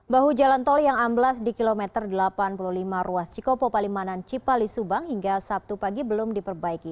bahu jalan tol yang amblas di kilometer delapan puluh lima ruas cikopo palimanan cipali subang hingga sabtu pagi belum diperbaiki